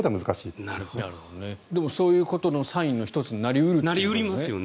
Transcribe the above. でも、そういうことのサインの１つになり得るということですね。